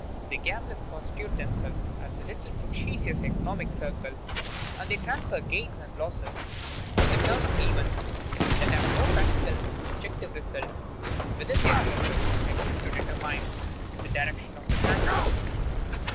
The gamblers constitute themselves a little fictitious economic circle, and they transfer gains and losses on the turn of events that have no practical objective result within their circle except to determine the direction of the transfer.